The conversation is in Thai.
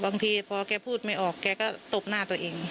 บางทีพอแกพูดไม่ออกแกก็ตบหน้าตัวเอง